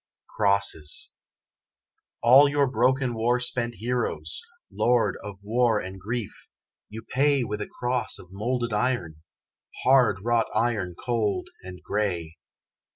CROSSES All your broken war spent heroes, Lord of War and Grief you pay With a cross of moulded iron, Hard wrought iron cold and grey.